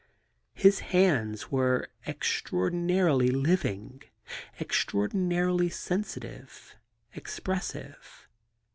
His hands were extra ordinarily living, extraordinarily sensitive, expressive.